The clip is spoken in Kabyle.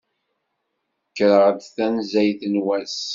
Kkreɣ-d tanzayt n wass.